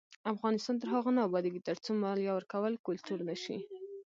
افغانستان تر هغو نه ابادیږي، ترڅو مالیه ورکول کلتور نشي.